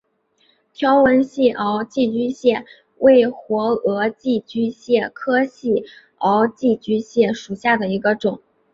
条纹细螯寄居蟹为活额寄居蟹科细螯寄居蟹属下的一个种。